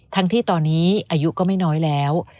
ทั้งที่ตอนนี้อายุก็ไม่น้อยแล้ว